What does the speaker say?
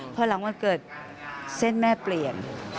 พอหลังวันเกิดเส้นแม่เปลี่ยน